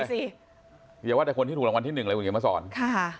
ตกใจสิเดี๋ยวว่าแต่คนที่ถูกรางวัลที่หนึ่งอะไรอย่างงี้มาสอนค่ะ